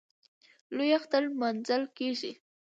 لوی اختر نماځل کېږي.